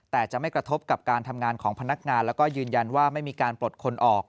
แต่จะไม่กระทบกับการทำงานของพนักงานแล้วก็ยืนยันว่าไม่มีการปลดคนออก